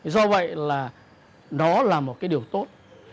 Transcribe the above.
do vậy là nó là một cái điều tốt